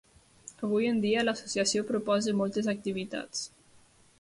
Avui en dia l'associació proposa moltes activitats.